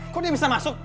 kok dia bisa masuk